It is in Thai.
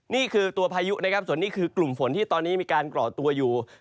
นี่คือตัวพายุนะครับส่วนนี้คือกลุ่มฝนที่ตอนนี้มีการก่อตัวอยู่